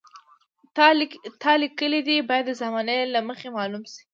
تا لیک لیکلی دی باید د زمانې له مخې معلوم شي.